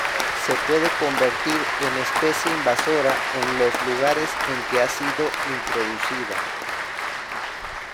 Se puede convertir en especie invasora en los lugares en que ha sido introducida.